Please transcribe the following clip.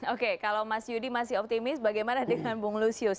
oke kalau mas yudi masih optimis bagaimana dengan bung lusius